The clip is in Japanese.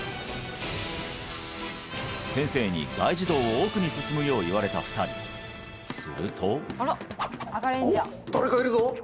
先生に外耳道を奥に進むよう言われた２人すると誰かいるぞ！